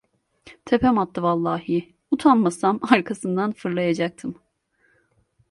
Tepem attı vallahi. Utanmasam arkasından fırlayacaktım.